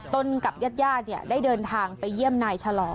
ต้นกับญาติได้เดินทางไปเยี่ยมนายชะลอ